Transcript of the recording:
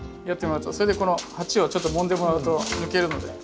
それでこの鉢をちょっともんでもらうと抜けるので。